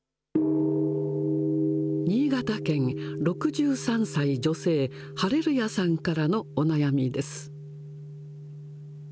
新潟県、６３歳女性、ハレルヤさんからのお悩みです。